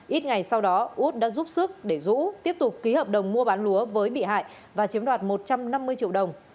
ít ngày sau đó út đã giúp sức để dũ tiếp tục ký hợp đồng mua bán lúa với bị hại và chiếm đoạt một trăm năm mươi triệu đồng